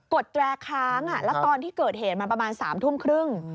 ดแตรค้างแล้วตอนที่เกิดเหตุมันประมาณ๓ทุ่มครึ่ง